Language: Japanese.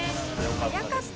早かったな。